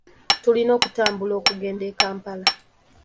Tulina okutambula okugenda e Kampala.